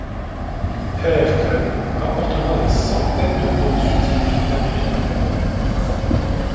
Pehr Kalm rapportera des centaines de plantes utiles d’Amérique du Nord.